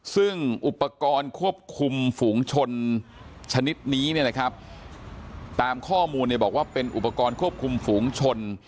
ซึ่งอุปกรณ์ควบคุมฝูงชนชนิดนี้เนี่ยนะครับตามข้อมูลบอกว่าเป็นอุปกรณ์ควบคุมฝูงชน